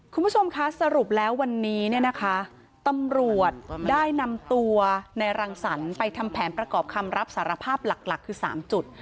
คุณผู้ชมคะสรุปแล้ววันนี้เนี่ยนะคะตำรวจได้นำตัวในรังสรรค์ไปทำแผนประกอบคำรับสารภาพหลักคือ๓จุด